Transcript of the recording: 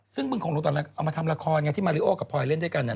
ซึ่งบึงของหนูตอนนั้นเอามาทำละครไงที่มาริโอกับพลอยเล่นด้วยกัน